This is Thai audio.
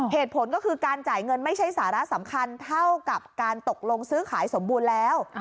เหตุผลก็คือการจ่ายเงินไม่ใช่สาระสำคัญเท่ากับการตกลงซื้อขายสมบูรณ์แล้ว